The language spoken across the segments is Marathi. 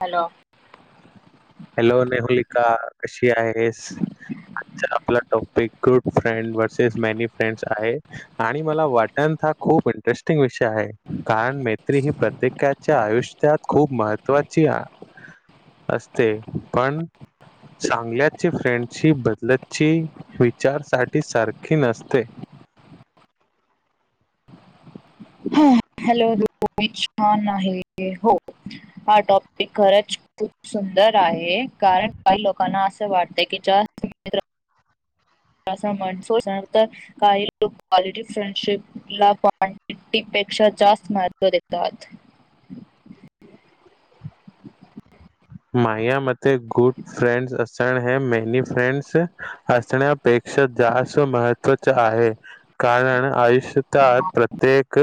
हॅलो? हॅलो, नेहुलिका, कशी आहेस? आजच्या आपलं topic, 'good friend versus many friends' आहे. आणि मला वाटंत, हा खूप इंटरेस्टिंग विषय हाये. कारण, मैत्री ही प्रत्येकाच्या आयुष्यात, खूप महत्त्वाची आ ते, पण चांगल्याची फ्रेंडशिप, बदलतची, विचार साठी सारखी नसते. हॅलो, दी छान आहे, हो, हा टॉपिक खरच सुंदर आहे, कारण काही लोकांना, असं वाटत की च्या [unintelligible] मनसू काही लोक क्वालिटी फ्रेडशिप ला, क्वांटिटीपेक्षा जास्त महत्व देतात. मायया मते, गुड फ्रेंडस असण, है मेनी फ्रेंड्स असण्या पेक्षा, जाहस्त महत्त्वाच आहे. कारण आयुष्यतात प्रत्येक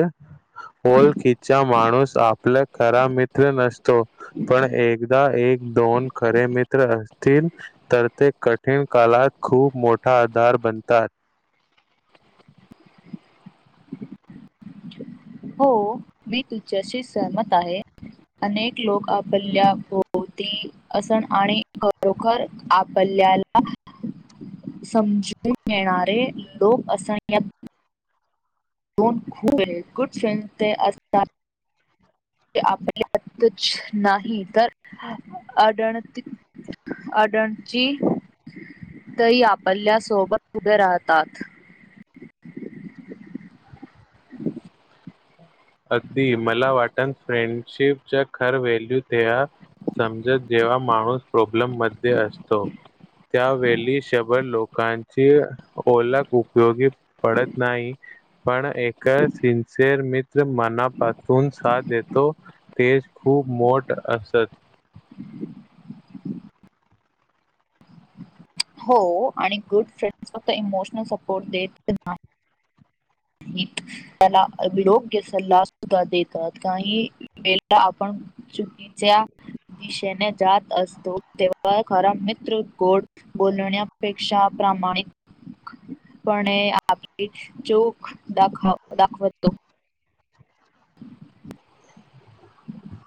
ओळखीचा माणूस, आपला खरा मित्र नसतो, पण एक अ, एक दोन खरे मित्र असतील तर ते कठीण काळात, खूप मोठा आधार बनतात. हों, मी तुमच्याशी सहमत आहे. अनेक लोक, आपल्या भोवती असन अणि खरोखर आपल्याला समजून घेणारे लोक, असण या [unintelligible] दोन [unintelligible] ख गुड फ्रेंड् ते असतात. तें आपल्यातच, नाही तर अडनत अडणची, तही आपल्यासोबत उभे राहतात. अगदी मला वाट [unintelligible] फ्रेंडशिपचा खर व्हॅल्यू त्यां समजत, जेव्हा माणूस प्रॉब्लेम मध्ये असतो. त्यावेळी शभर लोकांची ओळख उपयोगी [unintelligible] पडत नाही, पण एक सिन्सिअर मी जे मनापासून साथ देतो, तेच खूप मोठ असत. हो आणि गुड फ्रेंड फक्त इमोशनल सपोर्ट देत नाही, [unintelligible] त्याला योग्य सल्ला सुद्धा देतात, काही वेळा आपण चुकीच्या दिशेने जात असतो, तेव्हा खरा मित्र कों? बोलण्यापेक्षा प्रामाणिकपणे, आपली जो दाखव-दाखवतो. [unintelligible]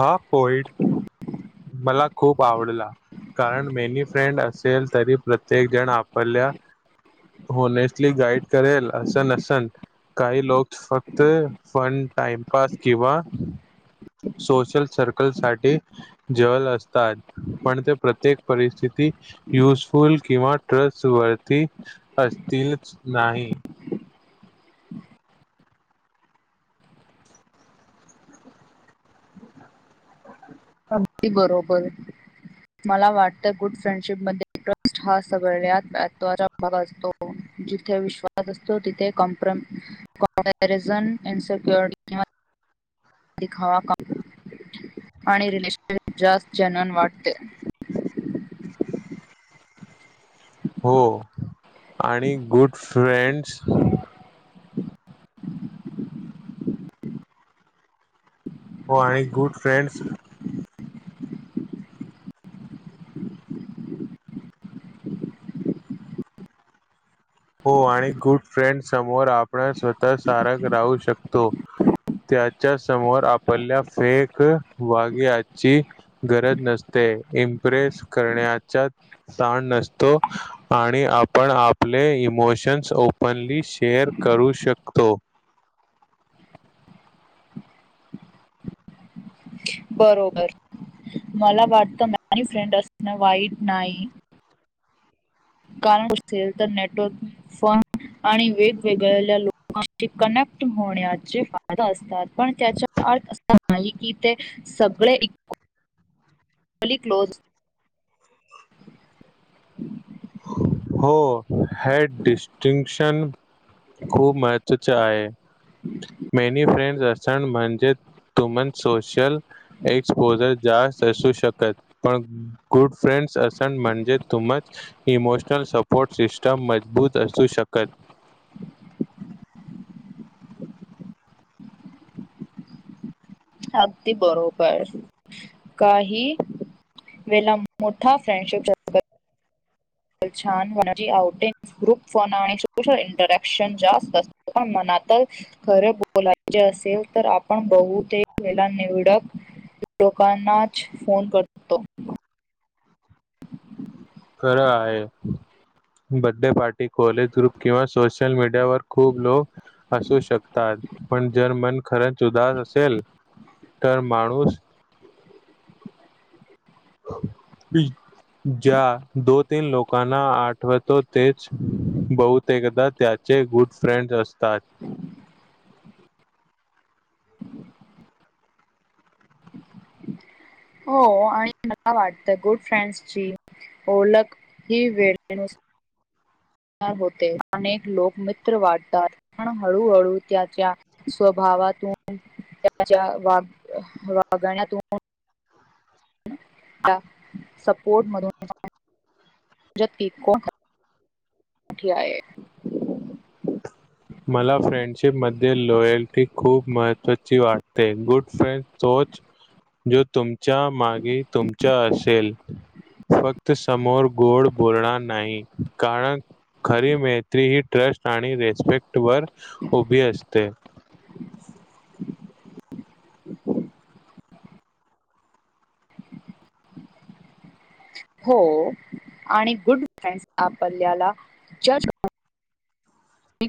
हा पॉइट मला खूप आवडला. कारण मेनी फ्रेंड असेल तरी प्रत्येक जण आपल्या होनेस्टली गाईड करेल असं नसन. काही लोक फक्त फण, टाइमपास किंवा सोशल सर्कल साठी जवल असतात, पण ते प्रत्येक परिस्थिती युजफुल किंवा ट्रस्ट वरती असतीलच नाही. अगदी बरोबर. मला वाटतं, गुड फ्रेंडशिप मधे ट्रस्ट हा सगळ्यात [unintelligible] मग असतो. जिथे विश्वास असतो तिथे कॉमप्र कॉमपॅरिजन अँड सेक्युर किंवा दीखावा आणि रिलेशन जास्त जेन्यून वाटते. हो आणि गुड फ्रेंड्स [inaudible] हो आणि गुड फ्रेंड्स हो आणि गुड फ्रेंड समोर आपण स्वतः सारक राहू शकतो. त्याच्या समोर आपल्या फेक वाग्याची गरज नसते. इम्प्रेस करण्याच्या ताण नसतो आणि आपण आपले इ मोशन्स ओपनली शेअर करू शकतो. बरोबर मला वाटत, काही फ्रेंड असण वाईट नाही. कारण पुसतील तर नेटवर्क फन आणि वेगवेगळ लोकांशी कनेक्ट होण्याचे फायदा असतात. पण त्याचा अर्थ असा नाही कि, ते सगळे इक वली क्लोज [inaudible] हो, हॅड डिस्टिंगशन खूप महत्त्वाचे आहे. मेनी फ्रेंड् अस सण म्हणजेच तुमण सोशल एक्सपोझर जास्त असू शकत, पण गुड फ्रेंड असन म्हणजे तुमच इमोश तर सपोर्ट सिस्टम मजबूत असू शकत. अगदी बरोंबर. काही वेला मोठा फ्रेंडशिप जन पन छान हो ना वची आउटिंग. ग्रुप फोन आणि सोशल इंटरॅक्शन जास्त असत, पण मनात खरे बोलायचे असेल तर, आपण बहुतेक वेळा निवडक लोकांनाच फोन करतो. [inaudible] [inaudible] खरं आहे. बड्डे पार्टी, कॉलेज ग्रुप किंवा सोशल मीडियावर खूप लोक असू शकतात, पण जर मन खरंच उदास असेल तर माणूस मी ज्या दो तीन लोकांना आठवतो तेच बहुतेकदा त्याचे गुड फ्रेंड असतात. ह [inaudible] हो आणि मला वाटतं गुड फ्रेंड्स ची ओलख, ही वेळेनुस सार होते. अनेक लोक मित्र वाटतात. म्हणून हळूहळू त्याच्या स्वभावातून, त्याच्या वाग - वागण्यातून सपोर्टमधून [unintelligible] कोण [unintelligible] [unintelligible] मला फ्रेंडशिपमध्ये, लॉयल्टी खूप महत्त्वाची वाटते. गुड फ्रेंड तोच जो तुमच्या मागे, तुमच्या असेल. फक्त समोर गोड बोलणार नाही. कारण, खरी मैत्री ही ट्रस्ट आणि रेस्पेक्ट वर उभी असते. [inaudible] हो. आणि गुड फ्रेंड्स आपल्याला [unintelligible]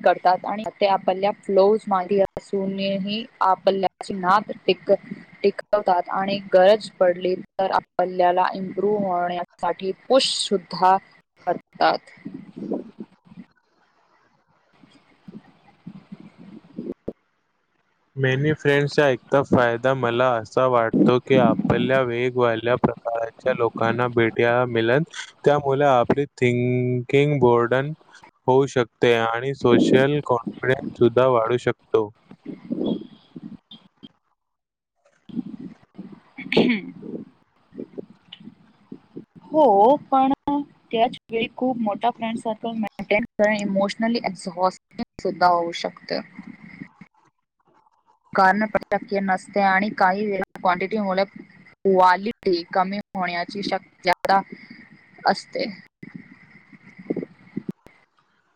करतात आणि ते आपल्या, फ्लोज मांडी असूनही, आपल्याची नाद [unintelligible] टिकवतात. आणि गरज पडली तर, आपल्ल्याला इम्प्रुव्ह होन्या साठी पुष शुद्धा करतात. [inaudible] मेनी फ्रेंडसचा, एक त फायदा मला असा वाटतो की, आपल्या वेगवाल्या काळच्या लोकांना, भेट्या मिलन. त्यामुल, आपली थिंकिंग, बोर्डन होऊ शक ते. आणि सोशल कॉन्फिडेन्स सुद्धा वाढू शकतो. [unintelligible] हो. पण त्याचवेळी खूप मोठा फ्रेंड सर्कल मेंटेन करणं इमोशनली एझ [unintelligible] सुद्धा होऊ शकत. कारण [unintelligible] नसते. आणि काही व क्वांटिटी मुले क्वालिटी कमी होण्याची शक्यता असते.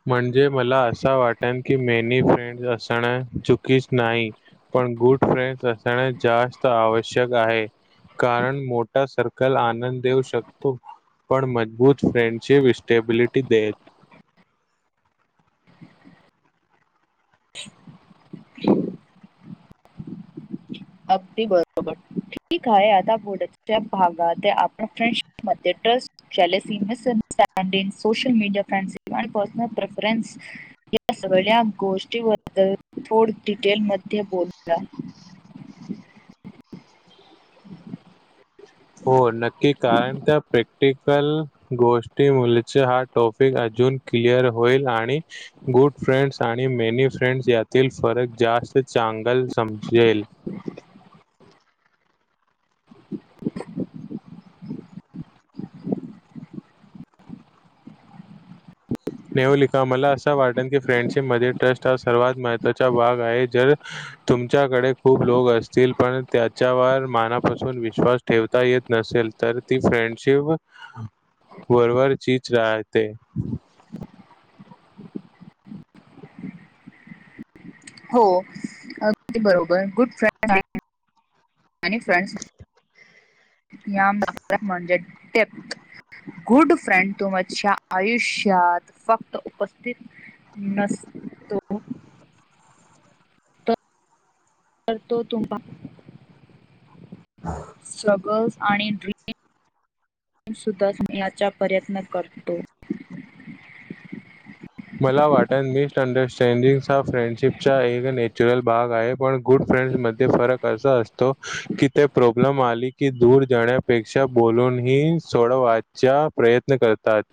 म्हणजे मला असं वाटन की, मेनी फ्रेंडस् असणं. चुकीस नाही. पण गुड फ्रेंड्स असण, जास्त आवश्यक आहे. कारण, मोठा सर्कल आनंद देऊ शकतो. पण म बुथ फ्रेडशिप इस्टेबिलिटी देत. [inaudible] ह अगदी बरोबर. ठीक आहे. आता बुडत्या भागात, आपण फ्रेंडशिप मध्ये ट्रस्ट जेलसी नसेल. [unintelligible] सोशल मीडया फ्र [unintelligible] आणि पर्सल प्रिफरनस या सगळ्या गोष्टीबद्दल, थोड डिटेल मध्ये बोलला. [inaudible] हो, नक्की. कारण, त्या प्रॅक्टिकल गोष्ट मुलेच, हा टॉपिक अजून क्लिअर होईल. आणि गुड फ्रेंड्स आणि मेनी फ्रेंड्स, यातील फरक जास्त चांगल समजेल. [inaudible] [inaudible] नेहलिका मला असं वाटत की, फ्रेंडशिपमध्ये, ट्रस्ट हा सर्वात महत्त्वाचा भाग आहे. जर तुमच्याकडे खूप लोक असतील. पण त्याच्यावर मनापासून विश्वास ठेवता येत नसेल तर, ती फ्रेंडशिप. वरवरचीच राहते. हो, अगदी बरोबर. गुड फ्रेंडस् आणि [unintelligible] फ्रेंडस. याम द म्हणजे टेप [inaudible] गुड फ्रेंड तुमच्या आयुष्यात फक्त उपस्थित नसतो. तरतो तुम्हा [inaudible] सगल्स आणि ड्रीम सुद्धण्याचा प्रयत्न करतो. मला वाटत, मिस अंडरस्टँडिंग् हा फ्रेंडशिप चा एक नॅचरल भाग आहे. पण गुड फ्रेंड्समध्ये फरक असा असतो कि, ते प्रॉब्लेम आली की दूर जाण्यापेक्षा, बोलून ही सोडवाचा प्रयत्न करतात.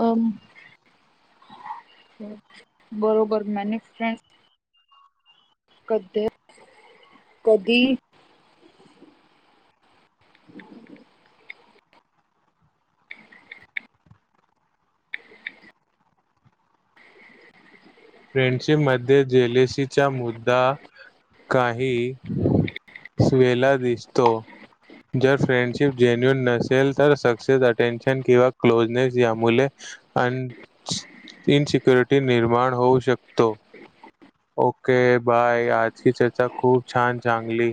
अं बरोबर मॅने फ्रेंड् कधे कधी फ्रेंडशिप मध्ये जेलेसीचा मुद्दा काही स्वेळा दिसतो. जर फ्रेंडशिप जेन्युन नसेल तर. सक्सेस अटेन्शन किंवा क्लोजनेस यामुळे अन इनसिक्युरिटी निर्माण होऊ शकतो. ओके. बाय. आजची चर्चा खूप छान चांगली